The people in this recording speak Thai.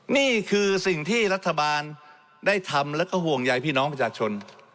นี่คือสิ่งที่รัฐบาลได้ทำแล้วก็ห่วงใยพี่น้องประชาชน